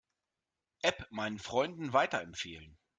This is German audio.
App meinen Freunden weiterempfehlen.